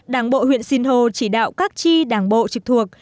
đảng bộ huyện sinh hồ chỉ đạo các tri đảng bộ trực thuộc